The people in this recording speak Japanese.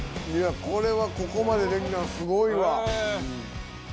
これはここまでできたのすごいわ！